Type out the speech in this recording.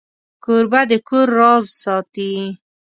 کوربه د کور راز ساتي.